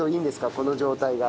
この状態が。